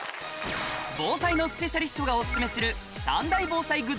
防災のスペシャリストがお薦めする三大防災グッズ